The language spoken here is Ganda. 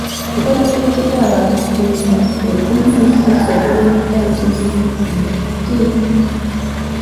Enkola z'ekizaala ggumba ezimu zisobola okutangira embuto mu battiini.